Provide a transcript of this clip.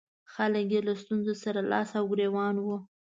خلک یې له ستونزو سره لاس او ګرېوان وو.